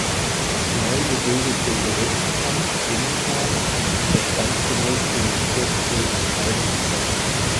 Das neu gebildete Gerichtsamt Klingenthal unterstand zunächst dem Bezirksgericht Eibenstock.